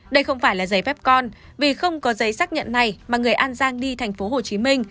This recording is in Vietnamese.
đây không phải là giấy phép con vì không có giấy xác nhận này mà người an giang đi thành phố hồ chí minh